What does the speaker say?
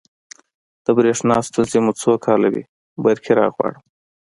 د بریښنا ستونزې مو څوک حلوی؟ برقي راغواړم